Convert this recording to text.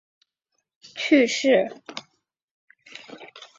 他的母亲托莱多的埃利诺拉和兄弟加齐亚在几天后因同样的原因去世。